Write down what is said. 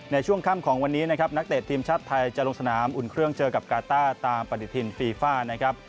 ในช่วงค่ำของวันนี้นะครับนักเตะทีมชาติไทยจะลงสนามอุ่นเครื่องเจอกับกาต้าตามปฏิทินฟีฟ่านะครับ